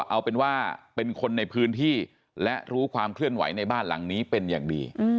เอาเป็นว่าเป็นคนในพื้นที่และรู้ความเคลื่อนไหวในบ้านหลังนี้เป็นอย่างดี